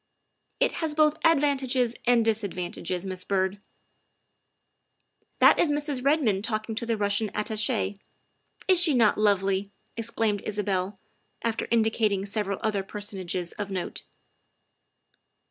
" It has both advantages and disadvantages, Miss Byrd." " That is Mrs. Redmond talking to the Russian At tache. Is she not lovely?" exclaimed Isabel, after indi cating several other personages of note.